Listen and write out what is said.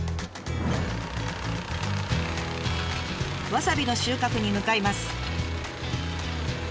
わさびの収穫に向かいます。